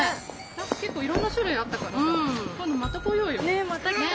結構いろんな種類あったからさ今度また来ようよ。